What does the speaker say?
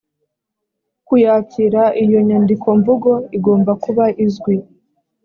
kuyakira iyo nyandikomvugo igomba kuba izwi